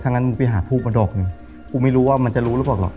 ทั้งงั้นมึงไปหาทูปมาดอกหนึ่งกูไม่รู้ว่ามันจะรู้แล้วกันหรอก